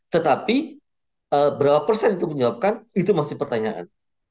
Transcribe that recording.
tetapi berapa persen itu menyebabkan itu masih pertanyaan